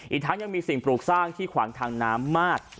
อีกทั้งยังมีสิ่งปลูกสร้างที่ขวางทางน้ำมาก